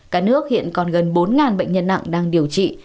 cả nước hiện còn gần bốn bệnh nhân nặng đang điều trị